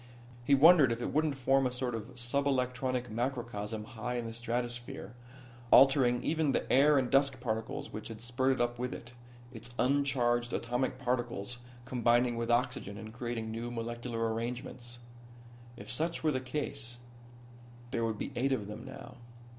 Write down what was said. He wondered if it wouldn't form a sort of sub electronic macrocosm high in the stratosphere, altering even the air and dust particles which had spurted up with it, its uncharged atomic particles combining with hydrogen and creating new molecular arrangements. If such were the case there would be eight of them now.